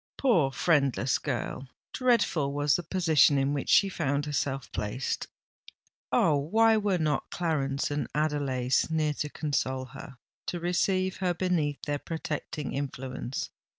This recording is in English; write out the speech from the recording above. Poor friendless girl! dreadful was the position in which she found herself placed! Oh! why were not Clarence and Adelais near to console her—to receive her beneath their protecting influence?